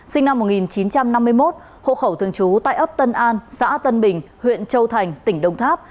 sinh năm một nghìn chín trăm năm mươi một hộ khẩu thường trú tại ấp tân an xã tân bình huyện châu thành tỉnh đồng tháp